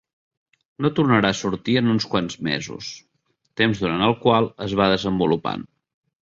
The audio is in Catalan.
No tornarà a sortir en uns quants mesos, temps durant el qual es va desenvolupant.